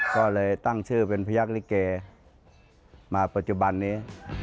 ก็เลยตั้งชื่อเป็นพยักษลิเกมาปัจจุบันนี้